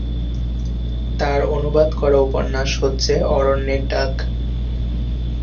তার অনুবাদ করা উপন্যাস হচ্ছে 'অরণ্যের ডাক'।